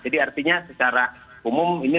jadi artinya secara umum ini